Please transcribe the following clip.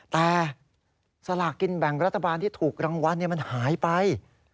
แต่สลากกินแบ่งรัฐบาลที่ถูกรางวัลมันหายไป